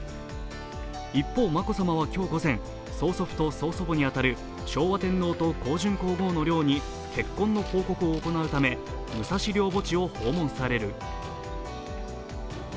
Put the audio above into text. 一方、眞子さまは今日午前、曽祖父と曽祖母に当たる昭和天皇と香淳皇后の陵に結婚の報告を行うため武蔵陵墓地を訪問される。